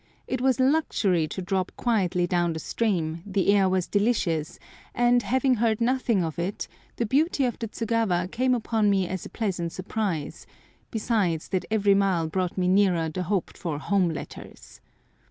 It was luxury to drop quietly down the stream, the air was delicious, and, having heard nothing of it, the beauty of the Tsugawa came upon me as a pleasant surprise, besides that every mile brought me nearer the hoped for home letters.